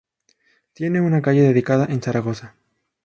Tiene una calle dedicada en Zaragoza.